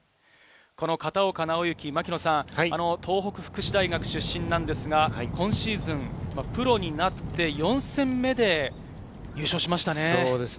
この片岡尚之、東北福祉大学出身なんですが、今シーズン、プロになって４戦目で優勝しましたね。